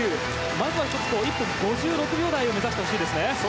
まずは１分５６秒台を目指してほしいですね。